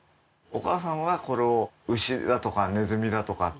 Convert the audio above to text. お母さんはこれを牛だとかネズミだとかってね。